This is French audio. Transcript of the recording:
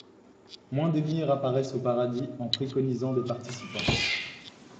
Moins d'émirs apparaissent au paradis en préconisant des participants.